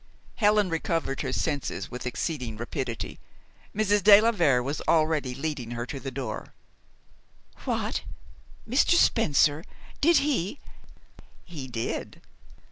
Helen recovered her senses with exceeding rapidity. Mrs. de la Vere was already leading her to the door. "What! Mr. Spencer did he " "He did.